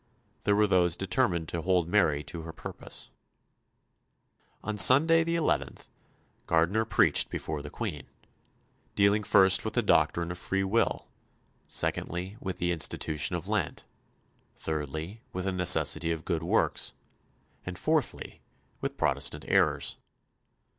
There were those determined to hold Mary to her purpose. On Sunday, the 11th, Gardiner preached before the Queen, dealing first with the doctrine of free will; secondly, with the institution of Lent; thirdly, with the necessity of good works; and fourthly, with Protestant errors.